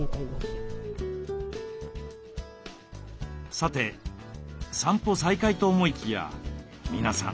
さて散歩再開と思いきや皆さん